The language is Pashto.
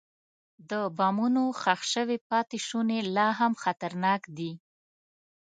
د بمونو ښخ شوي پاتې شوني لا هم خطرناک دي.